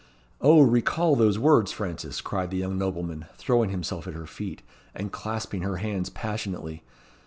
"O, recall those words, Frances!" cried the young nobleman, throwing himself at her feet, and clasping her hands passionately.